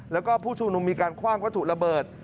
แล้วก็ผู้ชุมนุมมีการคว่างวัตถุระเบิด